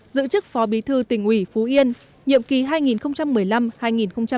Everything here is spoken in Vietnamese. giữ chức phó bí thư tỉnh ủy phú yên nhiệm kỳ hai nghìn một mươi năm hai nghìn hai mươi